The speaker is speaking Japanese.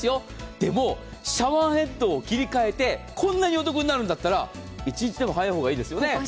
でも、シャワーヘッドを切り替えてこんなにお得になるんだったら、一日でも早い方がいいですよね？